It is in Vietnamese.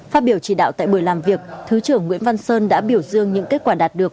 phát biểu chỉ đạo tại buổi làm việc thứ trưởng nguyễn văn sơn đã biểu dương những kết quả đạt được